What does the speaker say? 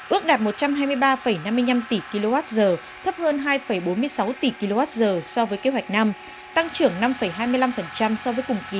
ước đạt một trăm hai mươi ba năm mươi năm tỷ kwh thấp hơn hai bốn mươi sáu tỷ kwh so với kế hoạch năm tăng trưởng năm hai mươi năm so với cùng kỳ